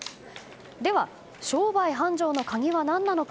では、商売繁盛の鍵は何なのか。